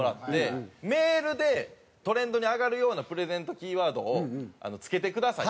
「メールでトレンドに上がるようなプレゼントキーワードを付けてください」と。